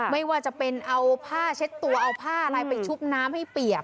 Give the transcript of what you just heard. ไม่ว่าจะเป็นเอาผ้าเช็ดตัวเอาผ้าอะไรไปชุบน้ำให้เปียก